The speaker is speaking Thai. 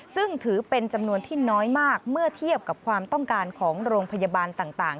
ซึ่งถือเป็นจำนวนที่น้อยมากเมื่อเทียบกับความต้องการของโรงพยาบาลต่าง